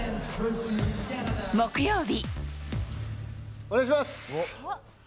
木曜日。